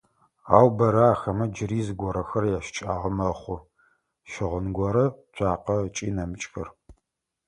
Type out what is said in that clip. Ау бэрэ ахэмэ джыри зыгорэхэр ящыкӏагъэ мэхъу: щыгъын горэ, цуакъэ ыкӏи нэмыкӏхэр.